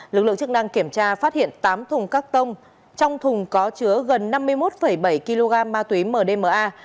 lực lượng chức năng kiểm tra phát hiện tám thùng các tông trong thùng có chứa gần năm mươi một bảy kg ma túy mdma